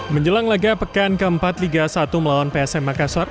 menjelang laga pekan keempat liga satu melawan psm makassar